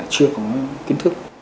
chưa có kiến thức